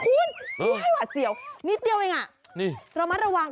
คุณไม่ให้หว่าเสี่ยวนิดเดียวเองระมัดระวัง